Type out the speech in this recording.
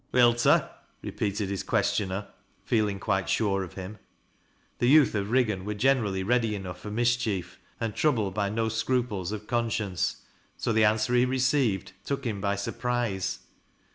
"Wilt ta ?" repeated his questioner, feeling quite sure of him. The youth of Eiggan were generally ready enough for mischief, and troubled by no scruples of conscience, 80 the answer he received took him by surprise.